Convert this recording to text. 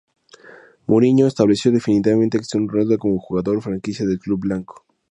Mourinho estableció definitivamente a Cristiano Ronaldo como jugador franquicia del club blanco.